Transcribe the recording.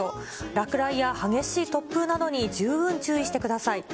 落雷や激しい突風などに十分注意してください。